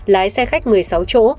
lái xe khách một mươi sáu chỗ